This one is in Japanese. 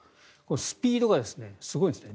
スピードがすごいんですね。